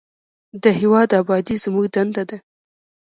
د هیواد ابادي زموږ دنده ده